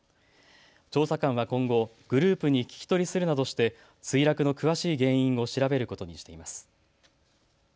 調査官は今後、グループに聞き取りするなどして墜落の詳しい原因を調べることにしています。